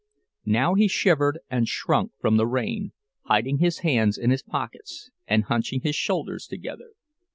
Now he shivered and shrunk from the rain, hiding his hands in his pockets and hunching his shoulders together.